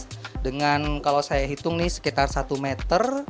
adanya sekitar satu meter